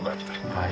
はい。